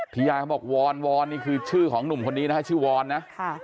ยายเขาบอกวอนวอนนี่คือชื่อของหนุ่มคนนี้นะฮะชื่อวอนนะ